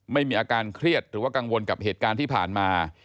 ไม่มีอาการเครียดหรือว่ากังวลกับเหตุการณ์ที่ผ่านมา